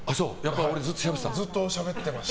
ずっとしゃべってました。